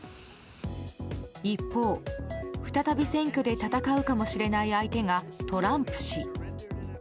一方、再び選挙で戦うかもしれない相手がトランプ氏。